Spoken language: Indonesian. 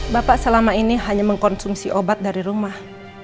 bapak selama ini hanya mengkonsumsi obat dari rumah